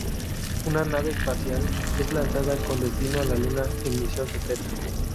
Una nave espacial es lanzada con destino a la Luna en misión secreta.